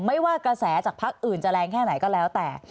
ไม่ว่ากระแสจากพักอื่นจะแรงแค่ไหนก็แล้วแต่